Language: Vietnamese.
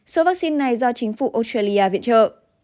số vaccine này do chính phủ australia viện trợ